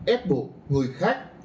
êp buộc người khác